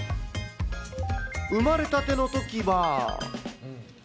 生まれたてのときは。